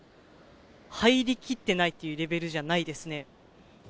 入りきっていないというレベルじゃないですね。